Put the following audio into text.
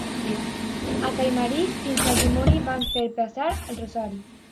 A Caimari fins al dimoni van fer passar el rosari.